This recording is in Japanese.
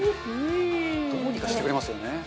どうにかしてくれますよね。